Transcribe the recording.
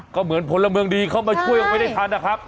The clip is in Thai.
ก็เหมือนพลเมืองดีเข้ามาช่วยเอาไว้ได้ทันนะครับ